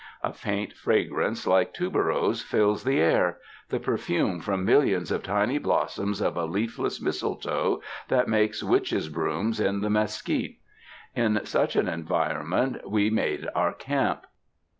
A faint fragrance like tuberose fills the air — the per fume from millions of tiny blossoms of a leafless mistletoe that makes witches' brooms in the mes quite. In such an environment we made our camp.